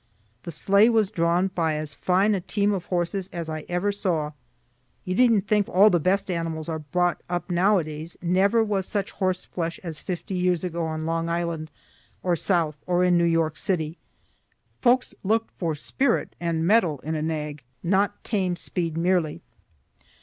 The sleigh was drawn by as fine a team of horses as I ever saw. (You needn't think all the best animals are brought up nowadays; never was such horseflesh as fifty years ago on Long Island, or south, or in New York city; folks look'd for spirit and mettle in a nag, not tame speed merely.)